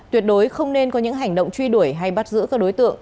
tuyệt đối không nên có những hành động truy đuổi hay bắt giữ các đối tượng